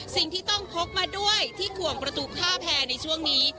สิ่งที่ต้องพกมาด้วยที่ขวงประตูท่าแพรในช่วงนี้